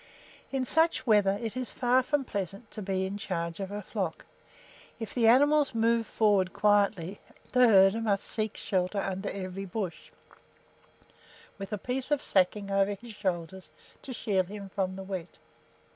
In such weather it is far from pleasant to be in charge of a flock. If the animals move forward quietly, the herder must seek shelter under every bush, with a piece of sacking over his shoulders to shield him from the wet.